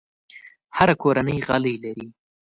هره کورنۍ غالۍ لري.